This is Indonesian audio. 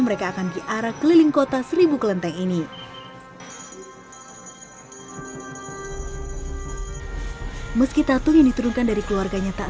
mereka mengambil alat yang menangani kekuasaan